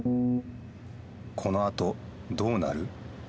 このあとどうなる？